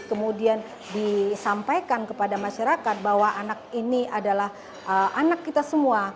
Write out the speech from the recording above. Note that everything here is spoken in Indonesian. kemudian disampaikan kepada masyarakat bahwa anak ini adalah anak kita semua